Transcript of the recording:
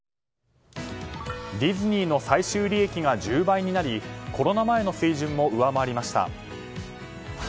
ディズニーの最終利益が１０倍になりコロナ前の水準も上回りました。